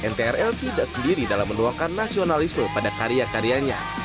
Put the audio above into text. ntrl tidak sendiri dalam menuangkan nasionalisme pada karya karyanya